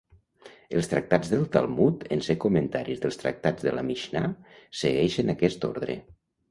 Els tractats del Talmud, en ser comentaris dels tractats de la Mixnà, segueixen aquest ordre.